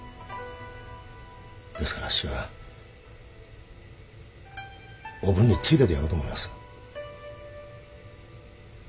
ですからあっしはおぶんについててやろうと思います。